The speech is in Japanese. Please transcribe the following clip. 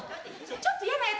ちょっと嫌なヤツ。